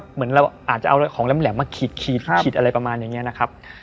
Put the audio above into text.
เหมือนเราอาจจะเอาของแหลมมาขีดขีดอะไรประมาณอย่างนี้นะครับ